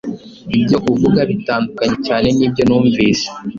Ibyo uvuga bitandukae cyane nibyo numvise.